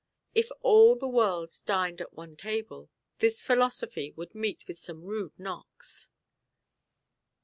If all the world dined at one table, this philosophy would meet with some rude knocks.